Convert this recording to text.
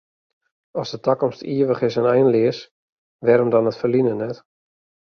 As de takomst ivich is en einleas, wêrom dan it ferline net?